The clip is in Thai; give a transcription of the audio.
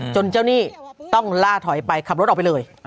เจ้าหนี้ต้องล่าถอยไปขับรถออกไปเลย